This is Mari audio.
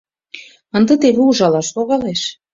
Ынде теве ужалаш логалеш.